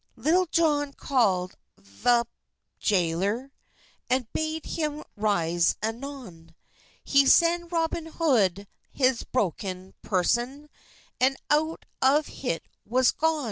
Litul Johne callid vp the jayler, And bade him ryse anon; He seid Robyn Hode had brokyn preson, And out of hit was gon.